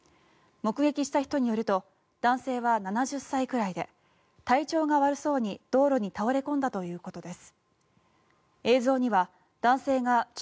目撃した人によると男性は７０歳くらいで体調が悪そうに、道路に倒れ込んだということです。